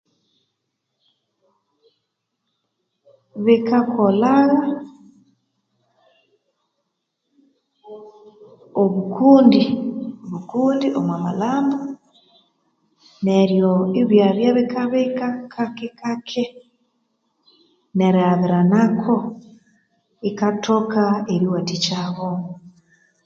Bikakolha obukundi obukundi omwa amalhambo neryo ibyabya bikabika kakekake nerighabiranako ikathoka eriwathikyabo.